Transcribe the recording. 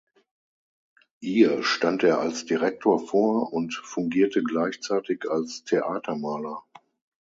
Ihr stand er als Direktor vor und fungierte gleichzeitig als Theatermaler.